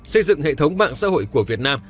xây dựng hệ thống mạng xã hội của việt nam